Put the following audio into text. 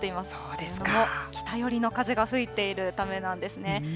これも北寄りの風が吹いているためなんですね。